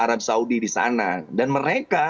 arab saudi di sana dan mereka